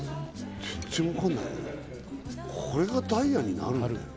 全然分かんないこれがダイヤになるんだよ